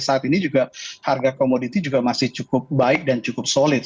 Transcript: saat ini juga harga komoditi juga masih cukup baik dan cukup solid